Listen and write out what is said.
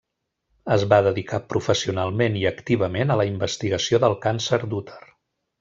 Es va dedicar professionalment i activament a la investigació del càncer d'úter.